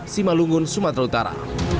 simalungun sumatera utara